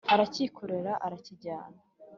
aracyikorera, arakijyana.